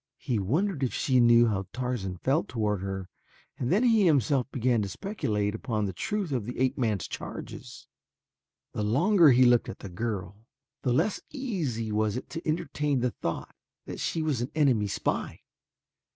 He wondered if she knew how Tarzan felt toward her and then he himself began to speculate upon the truth of the ape man's charges. The longer he looked at the girl, the less easy was it to entertain the thought that she was an enemy spy.